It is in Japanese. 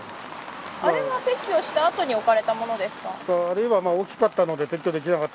あれは、撤去した後に置かれたものですか。